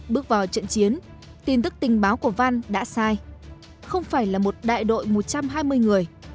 bước vào trận chiến tin tức tình báo của van đã sai không phải là một đại đội một trăm hai mươi người